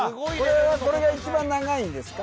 これはこれが一番長いんですか？